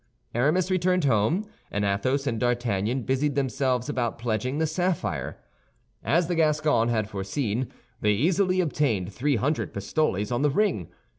Aramis returned home, and Athos and D'Artagnan busied themselves about pledging the sapphire. As the Gascon had foreseen, they easily obtained three hundred pistoles on the ring.